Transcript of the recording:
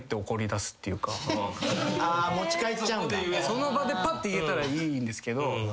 その場でぱって言えたらいいですけど。